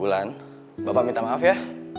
ulan bapak minta maaf ya